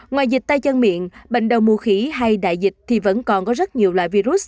ngoài dịch tay chân miệng bệnh đầu mùa khí hay đại dịch thì vẫn còn có rất nhiều loại virus